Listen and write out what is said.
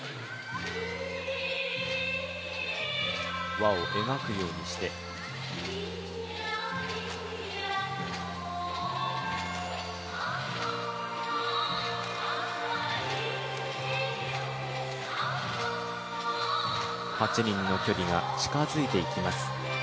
輪を描くようにして８人の距離が近づいていきます。